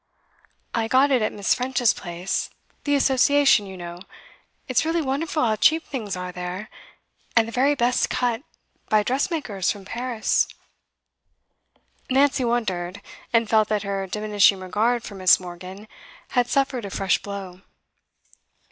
'I got it at Miss. French's place the Association, you know. It's really wonderful how cheap things are there. And the very best cut, by dressmakers from Paris.' Nancy wondered, and felt that her diminishing regard for Miss. Morgan had suffered a fresh blow.